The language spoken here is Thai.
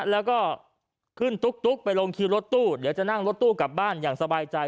แล้วก็ขึ้นตุ๊กไปลงคิวรถตู้เดี๋ยวจะนั่งรถตู้กลับบ้านอย่างสบายใจ